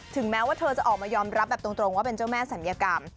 แม้ว่าเธอจะออกมายอมรับแบบตรงว่าเป็นเจ้าแม่ศัลยกรรม